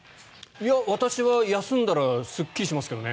いや、私は休んだらすっきりしますけどね。